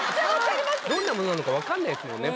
どんなものなのか分かんないっすもんね